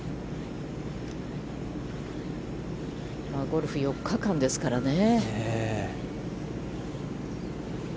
ゴルフは４日間ですからね。